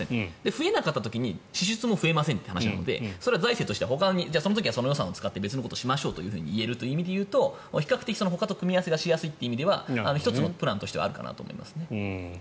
増えなかった時に支出も増えませんという話なのでそれは財政としてはその予算を使って別のことをしましょうとなるとほかのものと組み合わせしやすいとなると１つのプランとしてはあるかと思いますね。